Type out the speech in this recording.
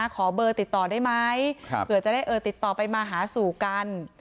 ขอเบอร์ติดต่อได้ไหมเผื่อจะได้ติดต่อไปมาหาสู่กัน